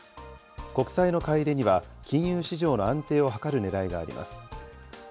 国債の買い入れには、金融市場の安定を図るねらいがあります。